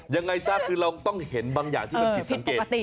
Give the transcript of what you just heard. ยังไงซะคือเราต้องเห็นบางอย่างที่มันผิดสังเกต